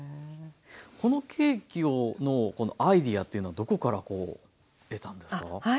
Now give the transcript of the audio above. このケーキのアイデアというのはどこから得たんですか？